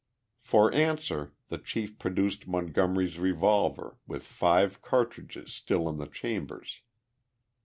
For answer the chief produced Montgomery's revolver, with five cartridges still in the chambers.